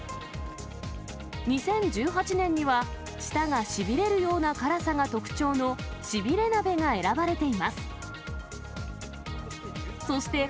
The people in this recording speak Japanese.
２０１８年には、舌がしびれるような辛さが特徴のしびれ鍋が選ばれています。